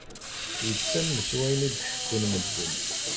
Yettamen s wayen i d-ḥekkun medden.